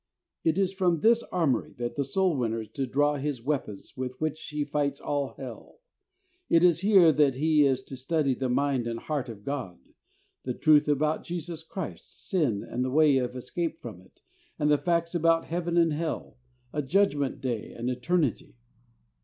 It is from this armory that the soul winner is to draw his weapons with which he fights all Hell. It is here that he is to study the mind and heart of God, the truth about Jesus Christ, sin and the way of escape from it, and the facts about Heaven and Hell, a Judgment Day 62 THE soul winner's secret. and eternity.